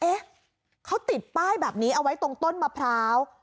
เอ๊ะเขาติดป้ายแบบนี้เอาไว้ตรงต้นมะพร้าว